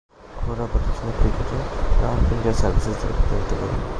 ঘরোয়া প্রথম-শ্রেণীর পাকিস্তানি ক্রিকেটে রাওয়ালপিন্ডি ও সার্ভিসেস দলের প্রতিনিধিত্ব করেন।